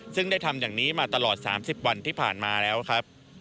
ซึ่งได้ทำอย่างนี้มาตลอด๓๐วันที่ผ่านมาแล้วครับ